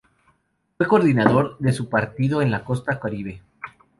Fue Coordinador de su partido en la costa Caribe.